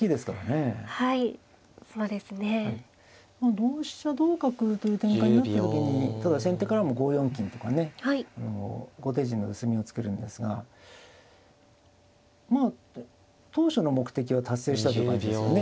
同飛車同角という展開になった時にただ先手からも５四金とかね後手陣の薄みを突けるんですがまあ当初の目的は達成したという感じですよね。